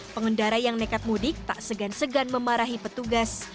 pengendara yang nekat mudik tak segan segan memarahi petugas